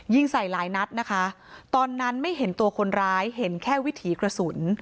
ใส่หลายนัดนะคะตอนนั้นไม่เห็นตัวคนร้ายเห็นแค่วิถีกระสุน